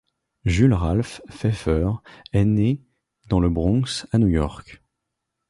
Jules Ralph Feiffer est né dans le Bronx, à New York.